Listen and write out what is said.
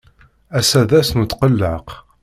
Ass-a d ass n utqelleq.